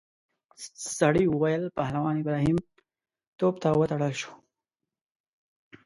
سړي وویل پهلوان ابراهیم توپ ته وتړل شو.